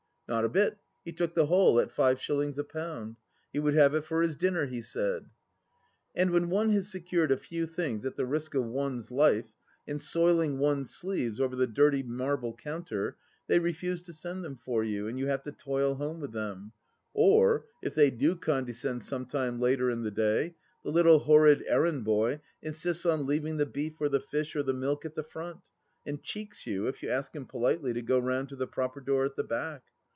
Not a bit ; he took the whole, at five shillings a pound. He would have it for his dinner, he said. And when one has secured a few things at the risk of one's life and soiling one's sleeves over the dirty marble counter, they refuse to send them for you, and you have to toil home with them ; or, if they do condescend some time later in the day, the little horrid errand boy insists on leaving the beef or the fish or the milk at the front, and cheeks you if you ask him politely to go round to the proper door at the back.